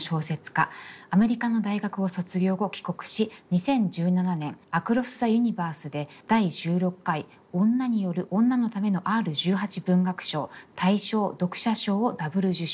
アメリカの大学を卒業後帰国し２０１７年「アクロス・ザ・ユニバース」で第１６回女による女のためのＲ−１８文学賞大賞読者賞をダブル受賞。